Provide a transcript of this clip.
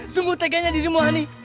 sungguh teganya dirimu ani